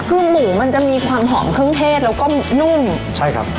คือหมูมันจะมีความหอมเครื่องเทศแล้วก็นุ่มใช่ครับ